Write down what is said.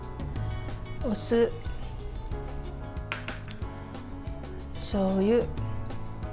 お酢、しょうゆ